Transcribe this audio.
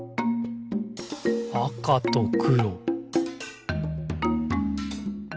「あかとくろ」